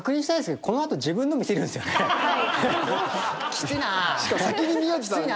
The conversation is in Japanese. きついな。